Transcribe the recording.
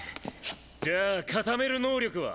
じゃあ固める能力は？